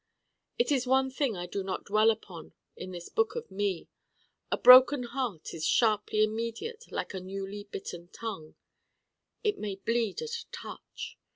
It is one thing I do not dwell upon in this book of me. A Broken Heart is sharply immediate like a newly bitten tongue. It may bleed at a touch.